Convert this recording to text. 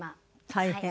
大変。